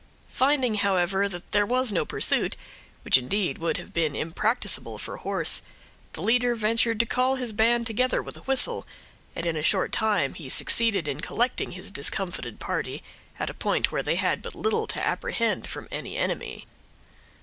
Finding, however, there was no pursuit, which indeed would have been impracticable for horse, the leader ventured to call his band together with a whistle, and in a short time he succeeded in collecting his discomfited party, at a point where they had but little to apprehend from any enemy.